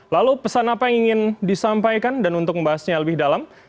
lalu pesan apa yang ingin disampaikan dan untuk membahasnya lebih dalam